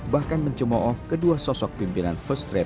bahkan mencemooh kedua sosok pimpinan first travel